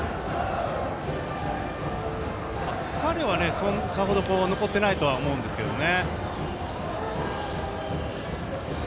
疲れはさほど残ってないと思うんですけどね。